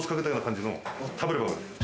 食べればわかる！